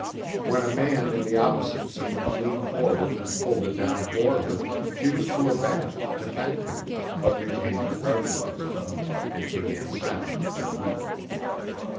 When a man in the opposite seat leaned forward and pulled it down for her, she was too abashed to thank him, but retained her crouching position and began silently to weep.